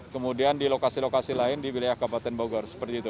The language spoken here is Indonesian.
kemudian di lokasi lokasi lain di wilayah kabupaten bogor seperti itu